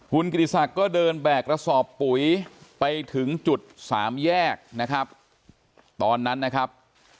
คุณกิติศักดิ์ก็เดินแบกกระสอบปุ๋ยไปถึงจุดสามแยกนะครับตอนนั้นนะครับ